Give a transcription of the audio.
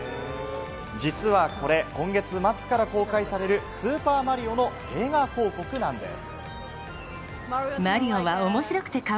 実はこれ今月末から公開されるスーパーマリオの映画広告なんです。